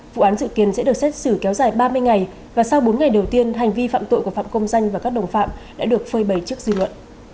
vụ án dự kiến sẽ được xét xử kéo dài ba mươi ngày và sau bốn ngày đầu tiên hành vi phạm tội của phạm công danh và các đồng phạm đã được phơi bầy trước dư luận